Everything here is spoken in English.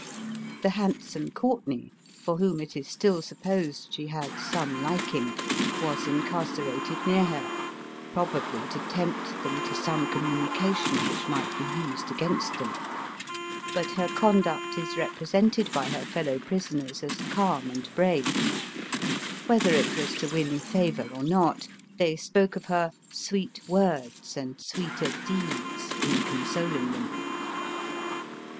The handsome Courtenay, for whom it is still supposed she had some liking, was in carcerated near her, probably to tempt them to some communication which might be used against them. But her conduct is represented by her fellow prisoners as calm and brave; whether it was to win favor or not, they spoke of her "sweet words and sweeter deeds," in consoling them.